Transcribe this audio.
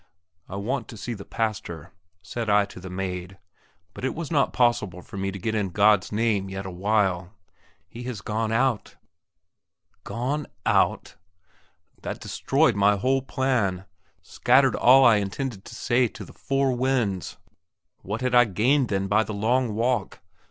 "I want to see the pastor," said I to the maid; but it was not possible for me to get in God's name yet awhile. "He has gone out." Gone out, gone out! That destroyed my whole plan; scattered all I intended to say to the four winds. What had I gained then by the long walk?